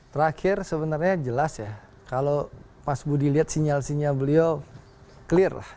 terakhir sebenarnya jelas ya kalau pas bu dilihat sinyal sinyal beliau clear lah